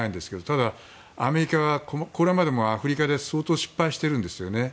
ただ、アメリカはこれまでもアフリカで相当失敗しているんです。